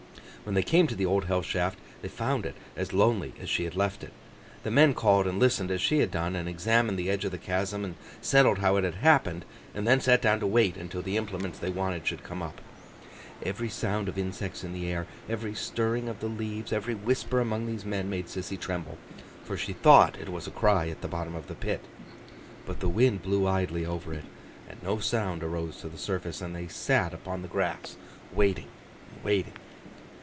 When they came to the Old Hell Shaft, they found it as lonely as she had left it. The men called and listened as she had done, and examined the edge of the chasm, and settled how it had happened, and then sat down to wait until the implements they wanted should come up. Every sound of insects in the air, every stirring of the leaves, every whisper among these men, made Sissy tremble, for she thought it was a cry at the bottom of the pit. But the wind blew idly over it, and no sound arose to the surface, and they sat upon the grass, waiting and waiting.